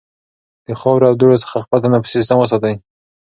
د خاورو او دوړو څخه خپل تنفسي سیستم وساتئ.